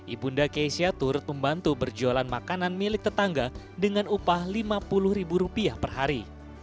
ibunda keisha turut membantu berjualan makanan milik tetangga dengan upah lima puluh ribu rupiah per hari